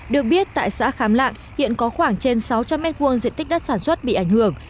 được biết tại xã khám lạng hiện có khoảng trên sáu trăm linh m hai diện tích đất sản xuất bị ảnh hưởng